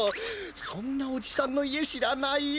そんなおじさんのいえしらない？